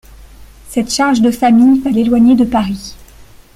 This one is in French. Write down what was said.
Cette charge de famille va l'éloigner de Paris.